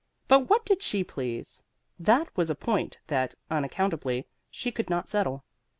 But what did she please that was a point that, unaccountably, she could not settle.